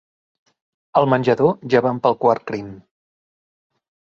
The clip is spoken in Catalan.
Al menjador ja van pel quart crim.